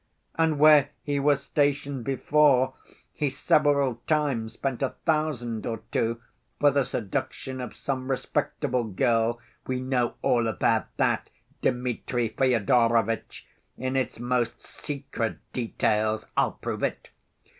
And where he was stationed before, he several times spent a thousand or two for the seduction of some respectable girl; we know all about that, Dmitri Fyodorovitch, in its most secret details. I'll prove it....